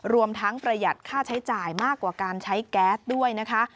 รวมทั้งประหยัดค่าใช้จ่ายมากกว่าการใช้แก๊สด้วยนะคะ